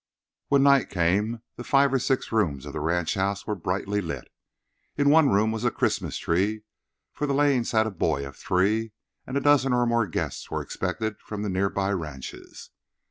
When night came the five or six rooms of the ranch house were brightly lit. In one room was a Christmas tree, for the Lanes had a boy of three, and a dozen or more guests were expected from the nearer ranches.